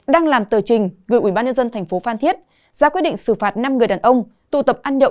đang làm tờ trình gửi ubnd tp phan thiết ra quyết định xử phạt năm người đàn ông tụ tập ăn nhậu